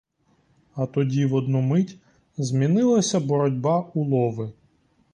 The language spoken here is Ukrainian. А тоді в одну мить змінилася боротьба у лови.